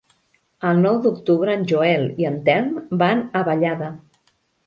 El nou d'octubre en Joel i en Telm van a Vallada.